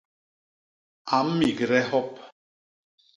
A mmigde hop.